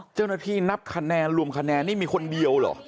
เจ้าหน้าที่นับคะแนนรวมคะแนนนี่มีคนเดียวเหรอ